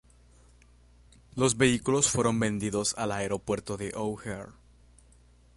Los vehículos fueron vendidos al aeropuerto de O'Hare.